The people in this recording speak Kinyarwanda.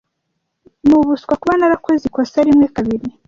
Nubuswa kuba narakoze ikosa rimwe kabiri.